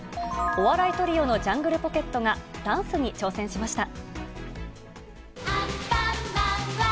お笑いトリオのジャングルポケットが、ダンスに挑戦しました。